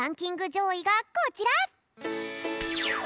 じょういがこちら！